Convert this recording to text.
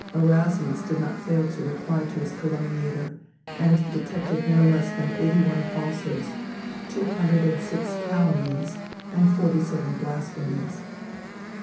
Erasmus did not fail to reply to his calumniator, and detected no less than eighty one falsehoods, two hundred and six calumnies, and forty seven blasphemies.